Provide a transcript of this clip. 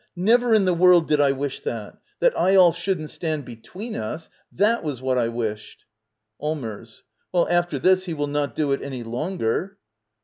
Never in the world did I wish that! That Eyolf shouldn't stand between us — that was what I wished. Allmers. Well — after this he will not do it any longer.